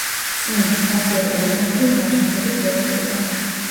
წინა, სასიარულო ფეხები მარწუხებით ბოლოვდება.